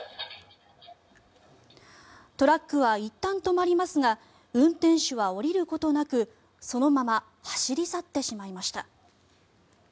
トラックはいったん止まりますが運転手は降りることなくそのまま走り去ってしまいました。